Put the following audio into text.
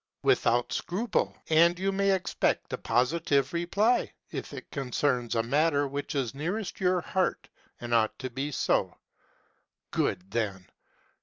"" Without scruple ; and you may expect a positive reply, if it concerns a matter which is nearest your heart, and ought to be so." "Good, then!